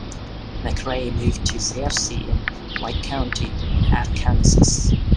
McRae moved to Searcy in White County, Arkansas.